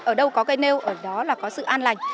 ở đâu có cây nêu ở đó là có sự an lành